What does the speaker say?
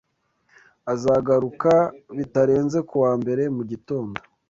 Azagaruka bitarenze kuwa mbere mugitondo.